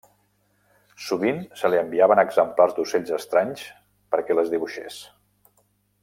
Sovint se li enviaven exemplars d'ocells estranys perquè les dibuixés.